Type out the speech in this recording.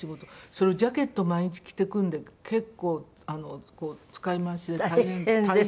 それをジャケット毎日着ていくんで結構使い回しで大変なんですよ